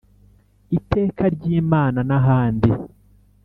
iteka ryimana nahandi